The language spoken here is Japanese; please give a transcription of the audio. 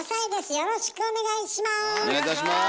よろしくお願いします。